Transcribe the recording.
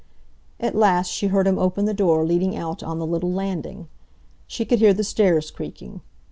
At last she heard him open the door leading out on the little landing. She could hear the stairs creaking.